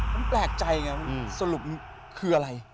ผมแปลกใจไงสรุปคืออะไร